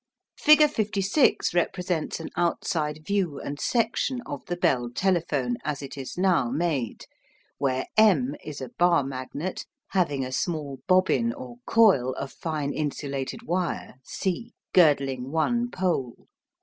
Figure 56 represents an outside view and section of the Bell telephone as it is now made, where M is a bar magnet having a small bobbin or coil of fine insulated wire C girdling one pole.